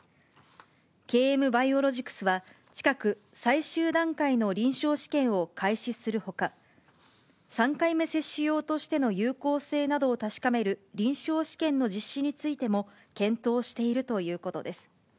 ＫＭバイオロジクスは近く最終段階の臨床試験を開始するほか、３回目接種用としての有効性などを確かめる臨床試験の実施についても、検討しているということです。